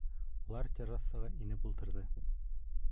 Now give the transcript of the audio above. Улар Террасаға инеп ултырҙы.